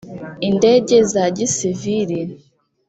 indege za gisivili